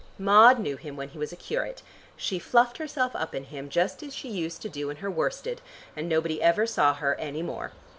Maud knew him when he was a curate. She fluffed herself up in him, just as she used to do in her worsted, and nobody ever saw her any more.